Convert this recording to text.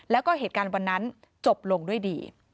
แล้วก็เหตุการณ์วันนั้นจบลงด้วยดี